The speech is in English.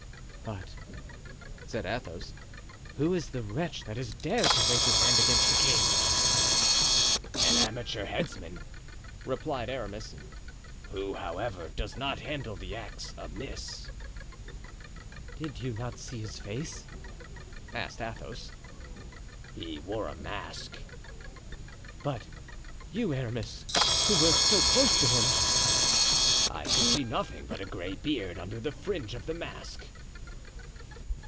"But," said Athos, "who is the wretch that has dared to raise his hand against his king?" "An amateur headsman," replied Aramis, "who however, does not handle the axe amiss." "Did you not see his face?" asked Athos. "He wore a mask." "But you, Aramis, who were close to him?" "I could see nothing but a gray beard under the fringe of the mask."